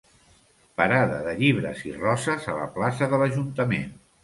Parada de llibres i roses a la plaça de l'ajuntament.